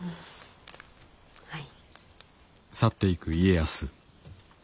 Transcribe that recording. はい。